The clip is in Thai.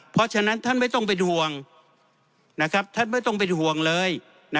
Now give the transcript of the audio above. เพราะฉะนั้นท่านไม่ต้องเป็นห่วงท่านไม่ต้องเป็นห่วงเลย